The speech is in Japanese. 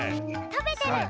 食べてる！